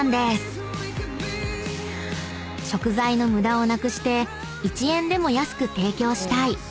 ［食材の無駄をなくして１円でも安く提供したい］